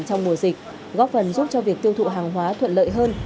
trong mùa dịch góp phần giúp cho việc tiêu thụ hàng hóa thuận lợi hơn